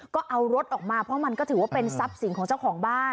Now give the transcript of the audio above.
ก็เอารถออกมาเพราะมันก็ถือว่าเป็นทรัพย์สินของเจ้าของบ้าน